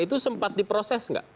itu sempat diproses nggak